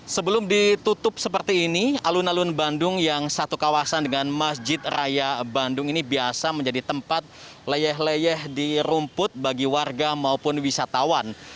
sebelum ditutup seperti ini alun alun bandung yang satu kawasan dengan masjid raya bandung ini biasa menjadi tempat leyeh leyeh di rumput bagi warga maupun wisatawan